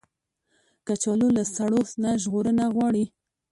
کچالو له سړو نه ژغورنه غواړي